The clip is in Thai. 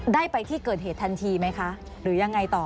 ได้ไปที่เกิดเหตุทันทีไหมคะหรือยังไงต่อ